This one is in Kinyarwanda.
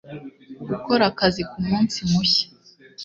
gukora akazi ku munsi mushya